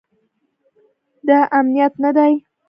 دا امنیت نه دی